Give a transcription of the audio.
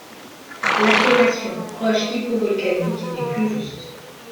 L'appellation roche hypovolcanique est plus juste.